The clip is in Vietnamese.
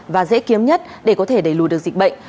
và dễ kiếm nhất để có thể đẩy lùi được dịch bệnh